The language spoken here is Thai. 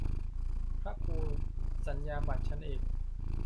พระครูสัญญาบัตรชั้นเอก